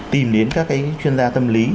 tìm đến các cái chuyên gia tâm lý